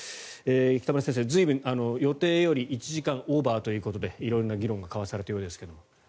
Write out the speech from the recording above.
北村先生、予定より１時間オーバーということで色々な議論が交わされたようですが。